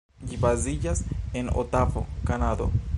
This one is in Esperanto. Ĝi baziĝas en Otavo, Kanado.